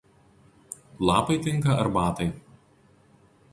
Lapai tinka arbatai.